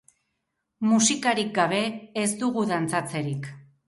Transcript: Musikarik gabe ez dugu dantzatzerik.